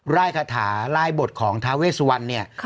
ลายคาถาลายบทของทาเวสวันเนี่ย